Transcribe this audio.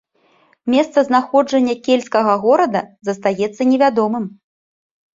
Месца знаходжання кельцкага горада застаецца невядомым.